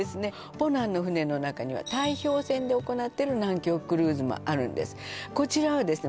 ポナンの船の中には耐氷船で行ってる南極クルーズもあるんですこちらはですね